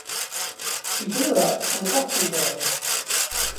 She grew up in Gothenburg.